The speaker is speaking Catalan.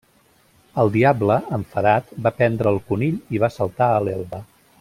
El diable, enfadat, va prendre el conill i va saltar a l'Elba.